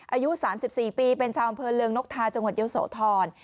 อายุ๓๔ปีเป็นชาวอำเภอเริงนกทาจังหวัดเยอะโสธร